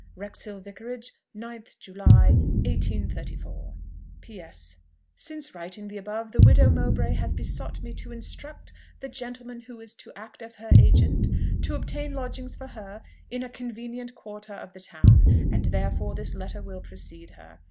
"Wrexhill Vicarage, 9th July, 1834." "P.S. Since writing the above, the widow Mowbray has besought me to instruct the gentleman who is to act as her agent to obtain lodgings for her in a convenient quarter of the town; and therefore this letter will precede her.